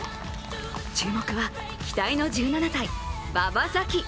注目は期待の１７歳、馬場咲希。